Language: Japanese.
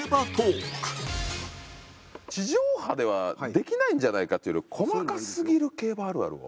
地上波ではできないんじゃないかっていうよりは細かすぎる競馬あるあるを。